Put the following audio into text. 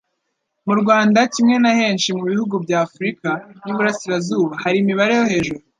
Mu Rwanda kimwe na henshi mu bihugu bya Afurika y'i Burasirazuba, hari imibare yo hejuru